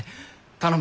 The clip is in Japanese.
頼む。